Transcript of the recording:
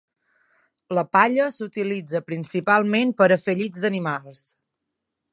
La palla s'utilitza principalment per a fer llits d'animals.